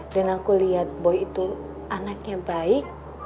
dan aku liat boy itu anaknya baik